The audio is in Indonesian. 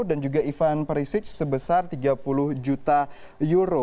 dan juga ivan perisic sebesar tiga puluh juta euro